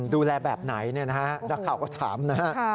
ดูแลแบบไหนเนี่ยนะฮะนักข่าวก็ถามนะฮะ